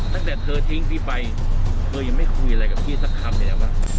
ตั้งแต่เธอทิ้งพี่ไปเธอยังไม่คุยอะไรกับพี่สักคำเลยว่า